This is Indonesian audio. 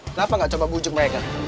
kenapa gak coba bujuk mereka